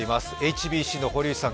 ＨＢＣの堀内さん